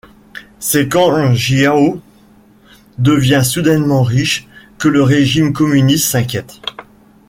C'est quand Jiao devient soudainement riche, que le régime communiste s'inquiète.